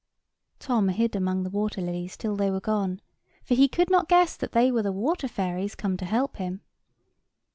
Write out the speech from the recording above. Tom hid among the water lilies till they were gone; for he could not guess that they were the water fairies come to help him.